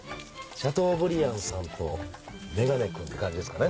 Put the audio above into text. シャトーブリアンさんとメガネ君って感じですかね